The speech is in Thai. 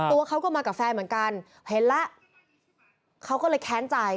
ตัวเขาก็มากับแฟนเหมือนกันเห็นแล้วเขาก็เลยแค้นใจ